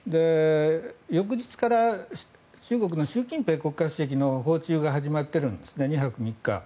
翌日から中国の習近平国家主席の訪中が始まっているんです２泊３日。